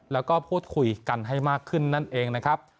แล้วก็พูดคุยกันให้มากขึ้นนั่นเองนะครับ